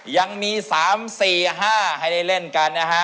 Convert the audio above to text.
ยังมี๓๔๕ให้ได้เล่นกันนะฮะ